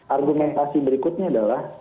argumentasi berikutnya adalah